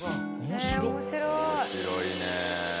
面白いね。